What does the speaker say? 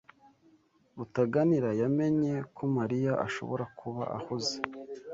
Rutaganira yamenye ko Mariya ashobora kuba ahuze.